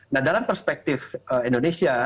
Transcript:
nah dalam perspektif indonesia